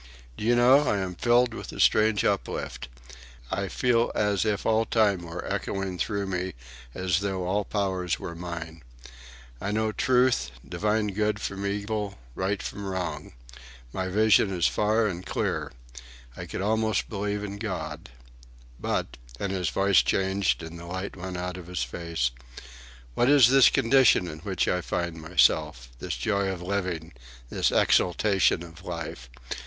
"Do you know, I am filled with a strange uplift; I feel as if all time were echoing through me, as though all powers were mine. I know truth, divine good from evil, right from wrong. My vision is clear and far. I could almost believe in God. But," and his voice changed and the light went out of his face,—"what is this condition in which I find myself? this joy of living? this exultation of life?